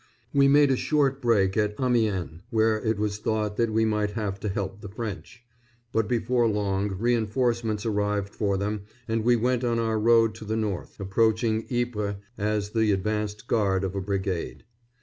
We made a short break at Amiens, where it was thought that we might have to help the French; but before long reinforcements arrived for them and we went on our road to the north, approaching Ypres as the advanced guard of a brigade.